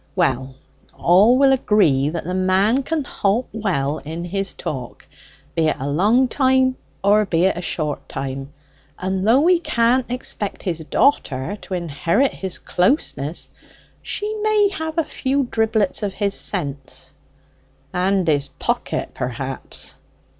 "Well, all will agree that the man can halt well in his talk, be it a long time or be it a short time. And though we can't expect his daughter to inherit his closeness, she may have a few dribblets from his sense." "And his pocket, perhaps."